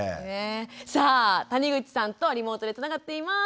さあ谷口さんとリモートでつながっています。